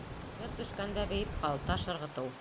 Бер төшкәндә бейеп ҡал, Таш ырғытыу